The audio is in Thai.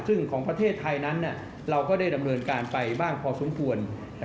ซึ่งของประเทศไทยนั้นเราก็ได้ดำเนินการไปบ้างพอสมควร